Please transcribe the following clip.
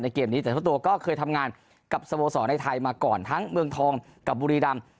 เกมนี้แต่เจ้าตัวก็เคยทำงานกับสโมสรในไทยมาก่อนทั้งเมืองทองกับบุรีรำ